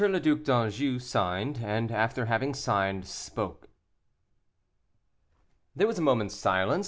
LE DUC D'ANJOU SIGNED, AND AFTER HAVING SIGNED, SPOKE. There was a moment's silence.